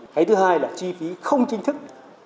cái thứ hai là chi phí không chính thức